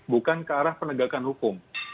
bukan ke arah penegakan hukum